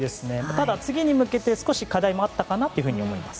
ただ、次に向けて少し課題もあったかなと思います。